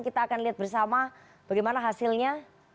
kita akan lihat bersama bagaimana hasilnya